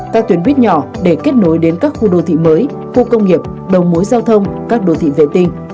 các tuyến buýt nhỏ để kết nối đến các khu đô thị mới khu công nghiệp đồng mối giao thông các đô thị vệ tinh